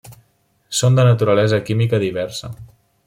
Són de naturalesa química diversa.